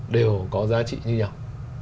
đều có giá trị như nhau